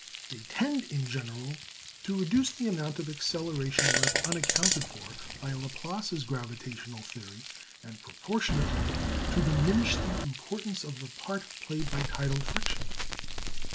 They tend, in general, to reduce the amount of acceleration left unaccounted for by Laplace's gravitational theory, and proportionately to diminish the importance of the part played by tidal friction.